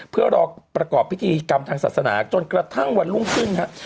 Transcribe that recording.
เพื่อรอประกอบพิธีกรรมทางศาสนาจนกระทั่งวันรุ่งขึ้นครับ